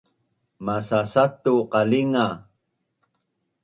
Masasatu qalinga